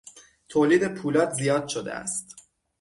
تولید پولاد زیاد شده است.